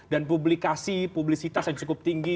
dan publikasi publisitas yang cukup tinggi